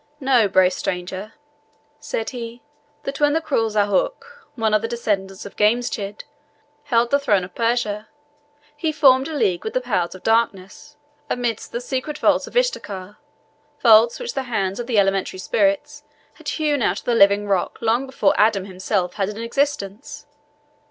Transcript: "Know, brave stranger," he said, "that when the cruel Zohauk, one of the descendants of Giamschid, held the throne of Persia, he formed a league with the Powers of Darkness, amidst the secret vaults of Istakhar, vaults which the hands of the elementary spirits had hewn out of the living rock long before Adam himself had an existence.